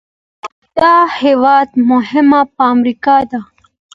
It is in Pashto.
او د هېواد مهمه فابريكه ده،